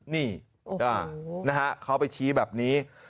นี่นะฮะเขาไปชี้แบบนี้